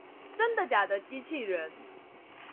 真的假的機器人